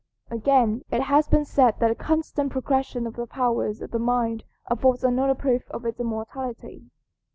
Again, it has been said that the constant progression of the powers of the mind affords another proof of its immortality.